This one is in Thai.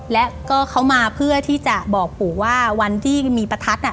และก็เขามาเพื่อที่จะบอกปู่ว่าวันที่มีประทัดน่ะ